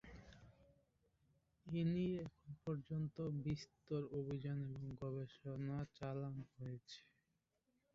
এ নিয়ে এখন পর্যন্ত বিস্তর অভিযান এবং গবেষণা চালান হয়েছে।